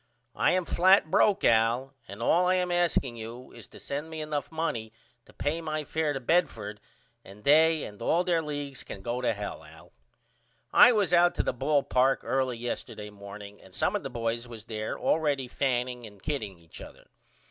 I am flat broke Al and all I am asking you is to send me enough money to pay my fair to Bedford and they ahd all their leagues can go to hell Al. I was out to the ball park early yesterday morning and some of the boys was there allready fanning and kidding each other.